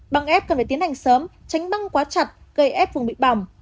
băng ép cần phải tiến hành sớm tránh băng quá chặt gây ép vùng bị bỏng